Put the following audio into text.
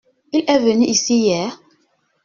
Il est venu ici hier ?